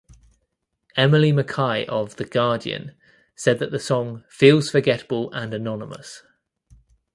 Emily Mackay of "The Guardian" said that the song "feels forgettable and anonymous".